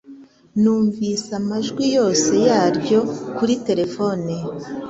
Numvise amajwi yose ya Ryo kuri terefone